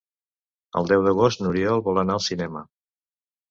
El deu d'agost n'Oriol vol anar al cinema.